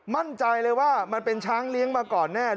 มั่นใจเลยว่ามันเป็นช้างเลี้ยงมาก่อนแน่